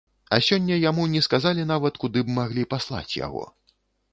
А сёння яму не сказалі нават, куды б маглі паслаць яго.